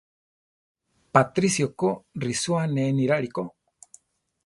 Patricio ko risóa ané niráli ko.